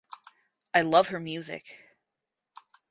I love her music.